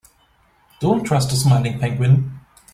Don't trust the smiling penguin.